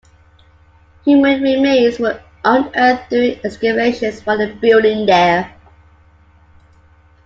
Human remains were unearthed during excavations for the building there.